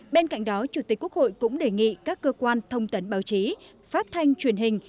bên cạnh đó chủ tịch quốc hội cũng đề nghị các cơ quan thông tấn báo chí phát thanh truyền hình